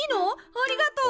ありがとう。